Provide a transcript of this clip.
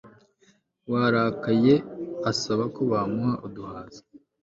warakaye asaba ko bamuha uduhaza